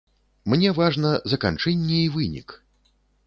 Мне важна заканчэнне і вынік.